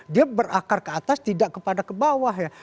dia berakar ke atas tidak kepada ke bawah ya